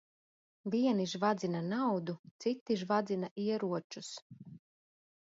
Vieni žvadzina naudu, citi žvadzina ieročus.